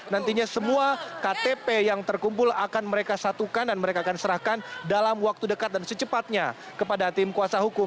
nantinya semua ktp yang terkumpul akan mereka satukan dan mereka akan serahkan dalam waktu dekat dan secepatnya kepada tim kuasa hukum